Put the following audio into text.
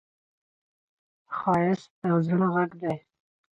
ښایست د زړه غږ دی